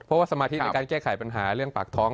เพราะว่าสมาธิในการแก้ไขปัญหาเรื่องปากท้อง